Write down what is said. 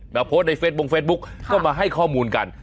มาโพสต์ในเฟสบงเฟซบุ๊กก็มาให้ข้อมูลกัน